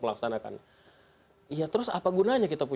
melaksanakan ya terus apa gunanya kita